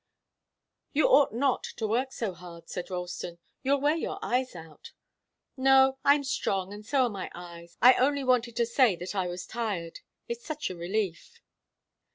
"You ought not to work so hard," said Ralston. "You'll wear your eyes out." "No, I'm strong, and so are my eyes. I only wanted to say that I was tired. It's such a relief!"